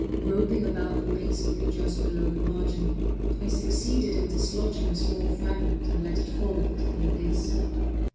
Groping about the masonry just below the margin, I succeeded in dislodging a small fragment, and let it fall into the abyss.